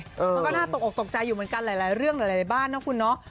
มันก็น่าตกออกตกใจอยู่เหมือนกันหลายเรื่องหลายบ้านนะคุณเนาะ